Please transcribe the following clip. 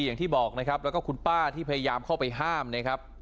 อย่างที่บอกนะครับแล้วก็คุณป้าที่พยายามเข้าไปห้ามนะครับ